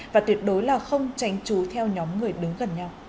và tuyệt đối là không tránh trú theo nhóm người đứng gần nhau